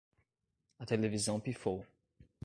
A televisão pifou